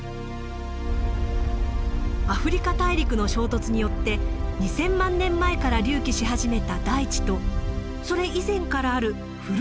アフリカ大陸の衝突によって２，０００万年前から隆起し始めた大地とそれ以前からある古い大地。